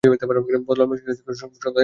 বলরামবাবুর স্ত্রীর শোকসংবাদে দুঃখিত হইলাম।